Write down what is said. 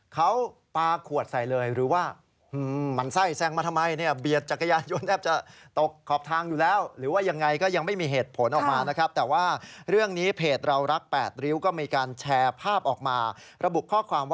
เขาปลาขวดใส่เลยหรือว่า